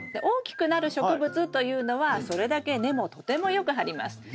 大きくなる植物というのはそれだけ根もとてもよく張ります。